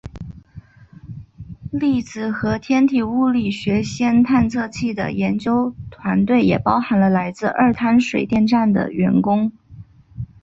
粒子和天体物理学氙探测器的研究团队也包含了来自二滩水电站的员工。